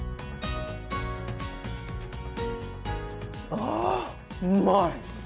ああうまい！